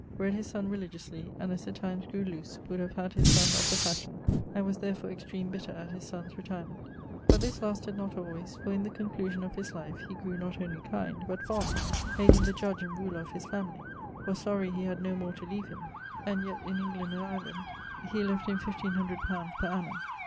Bred his son religiously; and, as the times grew loose, would have had his sonne of the fashion, and was therfore extreme bitter at his sonne's retirement. But this lasted not alwayes; for, in the conclusion of his life, he grew not only kind, but fonde; made him the judge and ruler of his family; was sorry he had no more to leave him (and yet, in England and Ireland, he left him 1500 li. per annum).